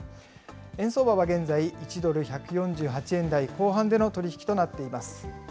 円相場は現在１ドル１４８円台後半での取り引きとなっています。